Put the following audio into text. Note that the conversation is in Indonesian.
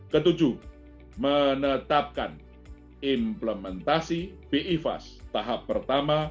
ketujuh menetapkan implementasi bifas tahap pertama